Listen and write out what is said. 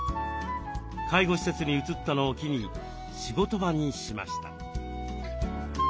介護施設に移ったのを機に仕事場にしました。